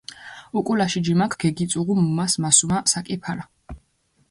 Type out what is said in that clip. უკულაში ჯიმაქ გეგიწუღუ მუმას მასუმა საკი ფარა.